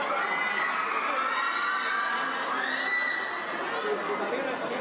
สวัสดีครับ